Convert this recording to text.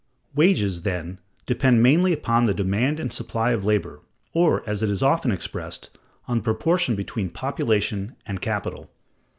Wages, then, depend mainly upon the demand and supply of labor; or, as it is often expressed, on the proportion between population and capital.